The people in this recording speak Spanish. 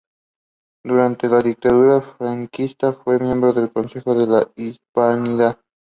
Durante la dictadura franquista fue miembro del Consejo de la Hispanidad.